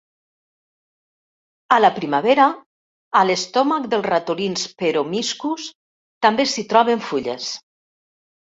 A la primavera, a l'estomac dels ratolins peromyscus també s'hi troben fulles.